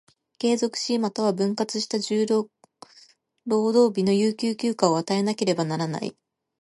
継続し、又は分割した十労働日の有給休暇を与えなければならない。